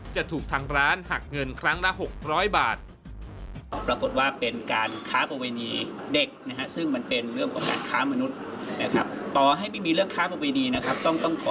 จะถูกทางร้านหักเงินครั้งละ๖๐๐บาท